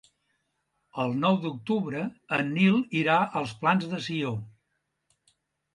El nou d'octubre en Nil irà als Plans de Sió.